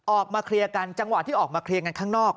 ออกมาเคลียร์กันจังหวะที่ออกมาเคลียร์กันข้างนอก